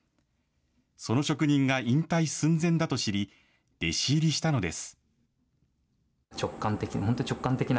その職人が引退寸前だと知り、弟子入りしたのです。